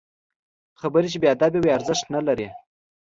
خبرې چې بې ادبه وي، ارزښت نلري